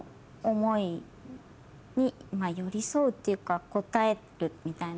寄り添うっていうか応えるみたいな。